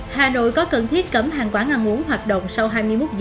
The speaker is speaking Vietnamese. hà nội có cần thiết cấm hàng quán ăn uống hoạt động sau hai mươi một h